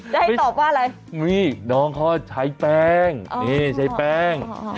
จะให้ตอบว่าอะไรนี่น้องเขาใช้แป้งนี่ใช้แป้ง